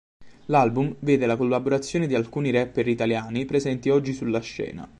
L'album vede la collaborazione di alcuni rapper italiani presenti oggi sulla scena.